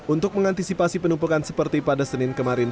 untuk mengantisipasi penumpukan seperti pada senin kemarin